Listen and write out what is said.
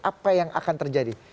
apa yang akan terjadi